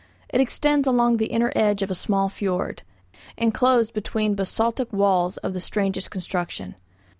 It extends along the inner edge of a small fiord, inclosed between basaltic walls of the strangest construction.